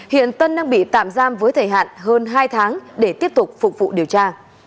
hiện tân đang bị tạm giam với thời hạn hơn hai tháng để tiếp tục phục vụ điều tra